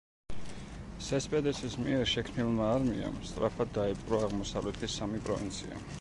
სესპედესის მიერ შექმნილმა არმიამ სწრაფად დაიპყრო აღმოსავლეთის სამი პროვინცია.